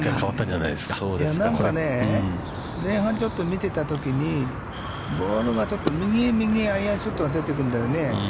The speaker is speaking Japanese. なんかね、前半ちょっと見てたときに、ボールがちょっと右、右へアイアンショットが出ていくんだよね。